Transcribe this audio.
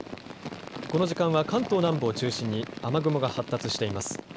この時間は関東南部を中心に雨雲が発達しています。